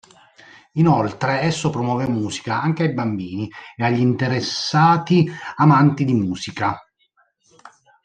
Inoltre, esso promuove musica anche ai bambini e agli interessati amanti di musica.